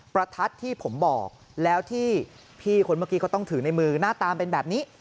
ประทัดที่ผมบอกแล้วที่พี่คนเมื่อกี้เขาต้องถือในมือหน้าตาเป็นแบบนี้